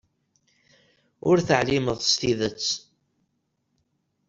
Ur teɛlimeḍ s tidet.